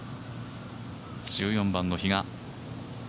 １４番の比嘉。